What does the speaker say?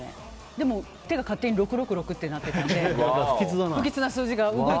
でも手が勝手に６６６ってなってたので不吉な数字が。